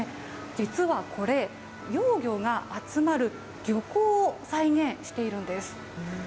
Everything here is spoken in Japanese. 実はこれ、幼魚が集まる漁港を再現しているんです。